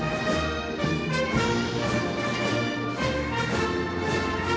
pemenangan peleg dan pilpres dua ribu dua puluh empat